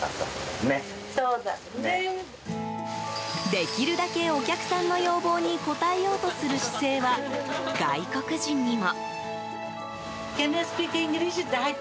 できるだけ、お客さんの要望に応えようとする姿勢は外国人にも。